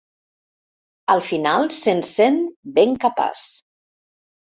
Al final se'n sent ben capaç.